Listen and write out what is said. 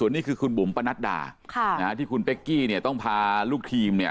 นี่คือคุณบุ๋มปะนัดดาที่คุณเป๊กกี้เนี่ยต้องพาลูกทีมเนี่ย